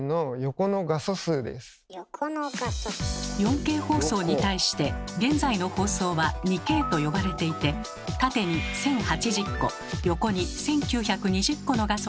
４Ｋ放送に対して現在の放送は「２Ｋ」と呼ばれていて縦に１，０８０個横に１，９２０個の画素が並んでいます。